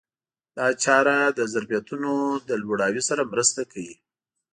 دا چاره د ظرفیتونو له لوړاوي سره مرسته کوي.